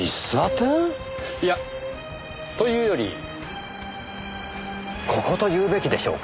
いやというよりここというべきでしょうか。